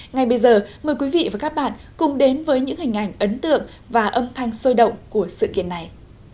ngay bây giờ mời quý vị và các bạn cùng đến với những hình ảnh ấn tượng và âm thanh sôi động của sự kiện này